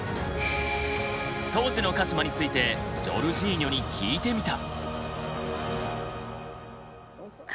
当時の鹿島についてジョルジーニョに聞いてみた。